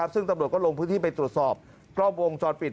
ซึ่งตำรวจก็ลงพื้นที่ไปตรวจสอบกล้องวงจรปิด